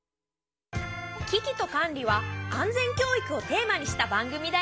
「キキとカンリ」は安全教育をテーマにした番組だよ。